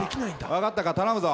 分かったか頼むぞ。